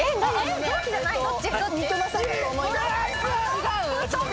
違う？